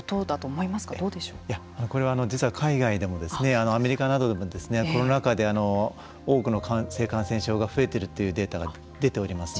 いや、これは実は海外でもアメリカなどでも、コロナ禍で多くの性感染症が増えているというデータが出ておりますので。